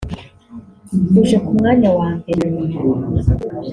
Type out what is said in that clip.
uje ku mwanya wa mbere